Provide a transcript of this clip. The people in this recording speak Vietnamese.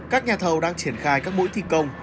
các nhà thầu đang triển khai các mũi thi công